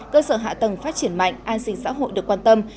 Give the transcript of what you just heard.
cơ sở hạ tầng phát triển mạnh an sinh xã hội được quan tâm